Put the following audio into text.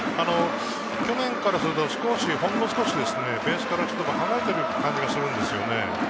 去年からすると、ほんの少しベースから離れてる感じがするんですよね。